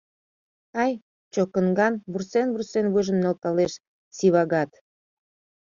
— Ай, чокынган! — вурсен-вурсен, вуйжым нӧлталеш Сивагат.